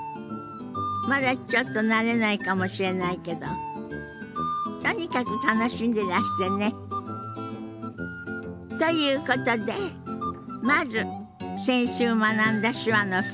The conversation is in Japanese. まだちょっと慣れないかもしれないけどとにかく楽しんでらしてね。ということでまず先週学んだ手話の復習から始めましょう。